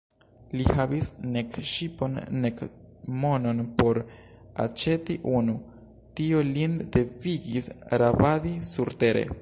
Li havis nek ŝipon, nek monon por aĉeti unu; tio lin devigis rabadi surtere.